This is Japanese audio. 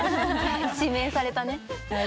指名されたね。